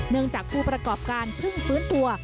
เนื่องจากผู้ประกอบการพึ่งฟื้นตัว